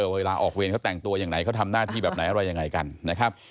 เวลาออกเวรเขาแต่งตัวอย่างไหนเขาทำหน้าที่แบบไหนอะไรยังไงกันนะครับ